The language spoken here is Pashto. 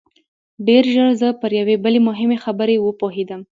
ډېر ژر زه پر یوې بلې مهمې خبرې وپوهېدم